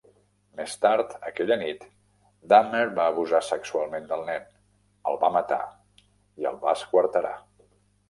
Més tard, aquella nit Dahmer va abusar sexualment del nen, el va matar i el va esquarterar.